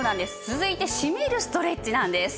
続いてしめるストレッチなんです。